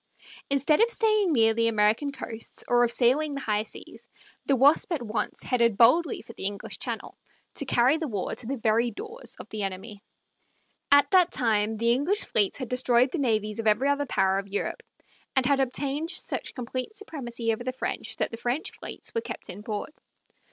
Instead of staying near the American coasts or of sailing the high seas, the Wasp at once headed boldly for the English Channel, to carry the war to the very doors of the enemy. At that time the English fleets had destroyed the navies of every other power of Europe, and had obtained such complete supremacy over the French that the French fleets were kept in port.